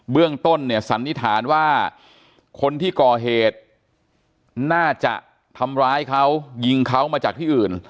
เรื่องต้นเนี่ยสันนิษฐานว่าคนที่ก่อเหตุน่าจะทำร้ายเขายิงเขามาจากที่อื่น